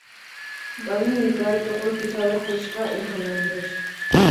بالىنى ھېكايە توقۇش، تەسەۋۋۇر قىلىشقا ئىلھاملاندۇرۇش.